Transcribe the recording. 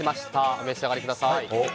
お召し上がりください。